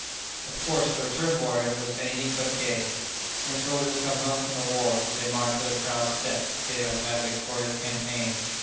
Of course, the return voyage was "any thing but gay." When soldiers come home from the war, they march with a proud step, if they have had a victorious campaign.